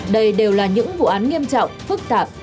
đây đều là những vụ án nghiêm trọng phức tạp